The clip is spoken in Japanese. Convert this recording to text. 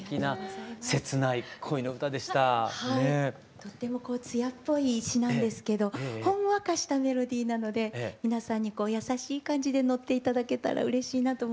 とってもこう艶っぽい詞なんですけどほんわかしたメロディーなので皆さんに優しい感じで乗って頂けたらうれしいなと思いますね。